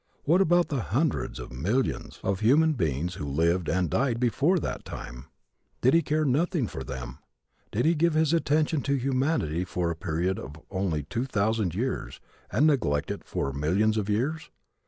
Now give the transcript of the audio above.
What about the hundreds of millions of human beings who lived and died before that time? Did He care nothing for them? Did He give his attention to humanity for a period of only two thousand years and neglect it for millions of years?